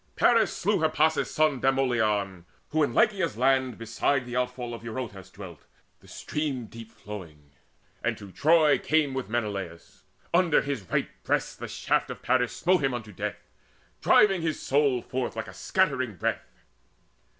Paris slew Hippasus' son Demoleon, who in Laconia's land Beside the outfall of Eurotas dwelt, The stream deep flowing, and to Troy he came With Menelaus. Under his right breast The shaft of Paris smote him unto death, Driving his soul forth like a scattering breath.